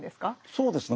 そうですね